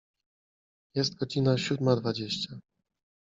Jest godzina siódma dwadzieścia.